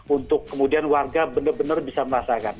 untuk kemudian warga benar benar bisa merasakan